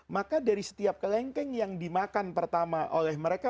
maka dari setiap kelengkeng yang dimakan pertama oleh mereka